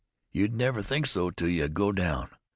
You'd never think so till you go down.